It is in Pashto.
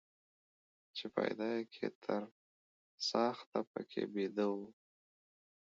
چې پيدا يې کى تر څاښته پکښي بيده وو.